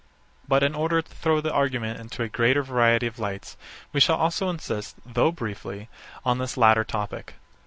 But in order to throw the argument into a greater variety of lights we shall also insist, though briefly, on this latter topic.